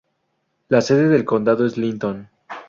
La sede del condado es Linton.